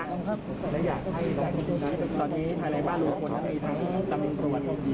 แต่สุดท้ายแล้วศาลจังหวัดพุทธอาหารก็ออกใหม่จับค่ะ